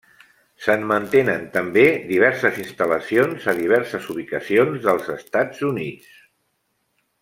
Se'n mantenen també diverses instal·lacions a diverses ubicacions dels Estats Units.